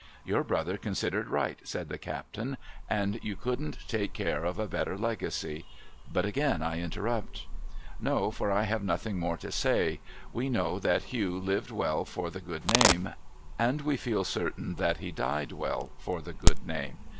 ' Your brother considered right,' said the captain ;' and you couldn't take care of a better legacy. But again I interrupt.' ' No ; for I have nothing more to say. We know that Hugh lived well for the good name, and we feel certain that he died well for the good name.